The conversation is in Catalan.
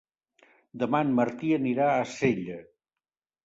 Demà en Martí anirà a Sella.